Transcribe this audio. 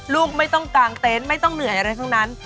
ลูกไม่ต้องกางเต็นต์ไม่ต้องเหนื่อยอะไรทั้งนั้น